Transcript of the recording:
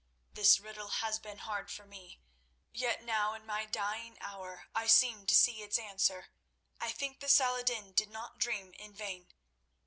This riddle has been hard for me; yet now, in my dying hour, I seem to see its answer. I think that Saladin did not dream in vain.